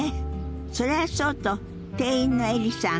それはそうと店員のエリさん